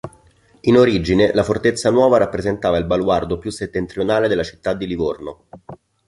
In origine la Fortezza Nuova rappresentava il baluardo più settentrionale della città di Livorno.